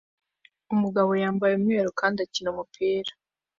Umugabo yambaye umweru kandi akina umupira